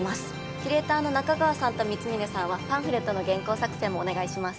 キュレーターの仲川さんと光峯さんはパンフレットの原稿作成もお願いします